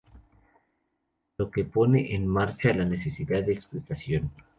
Lo que pone en marcha la necesidad de explicación.